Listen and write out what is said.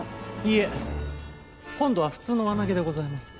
いえ今度は普通のわなげでございます。